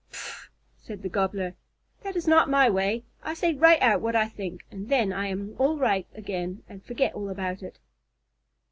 "Pffff!" said the Gobbler. "That is not my way. I say right out what I think, and then I am all right again and forget all about it."